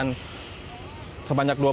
yang terlihat terdekat